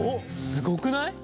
すごくない？